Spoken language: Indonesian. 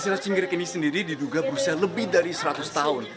silat cingkrik ini sendiri diduga berusia lebih dari seratus tahun